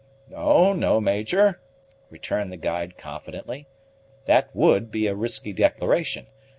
"No, no, Major," returned the guide confidently; "that would be a risky declaration.